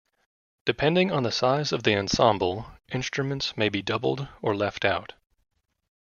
Depending on the size of the ensemble, instruments may be doubled or left out.